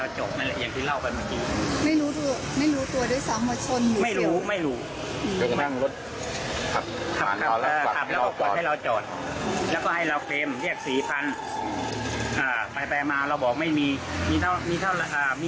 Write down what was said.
จะไปรีบไปอุบล